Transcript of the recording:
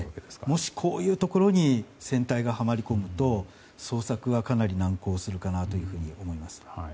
もしこういうところに船体がはまり込むと捜索がかなり難航するかと思います。